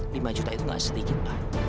lima juta itu gak sedikit pak